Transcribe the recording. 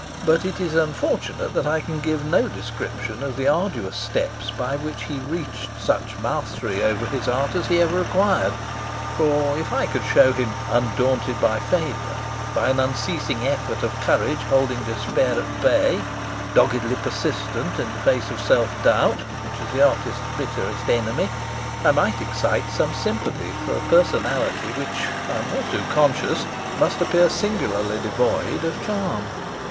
But it is unfortunate that I can give no description of the arduous steps by which he reached such mastery over his art as he ever acquired; for if I could show him undaunted by failure, by an unceasing effort of courage holding despair at bay, doggedly persistent in the face of self doubt, which is the artist's bitterest enemy, I might excite some sympathy for a personality which, I am all too conscious, must appear singularly devoid of charm.